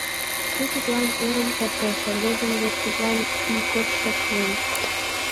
Кӧ тидлан ӧрын кертеш, рвезын вет тидлан ийготшо шуын.